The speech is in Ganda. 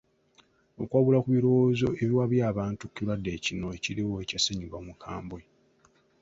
Okuwabula ku birowoozo ebiwabya abantu ku kirwadde kino ekiriwo ekya ssennyiga omukambwe.